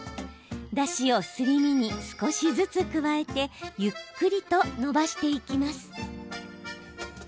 だしを、すり身に少しずつ加えてゆっくりとのばしていきます。